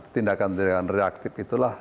tindakan tindakan reaktif itulah